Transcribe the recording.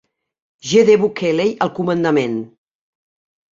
J. D. Buckeley al comandament.